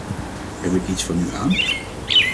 Heb ik iets van u aan?